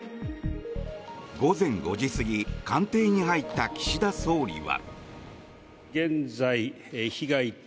午前５時過ぎ官邸に入った岸田総理は。